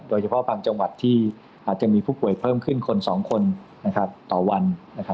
โดยเฉพาะบางจังหวัดที่อาจจะมีผู้ป่วยเพิ่มขึ้นคน๒คนต่อวัน